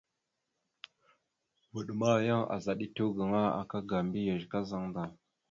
Vvaɗ ma yan azaɗ etew gaŋa aka ga mbiyez kazaŋ da.